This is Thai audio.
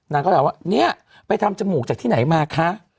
นางก็ถามว่าเนี่ยไปทำจมูกจากที่ไหนมาคะ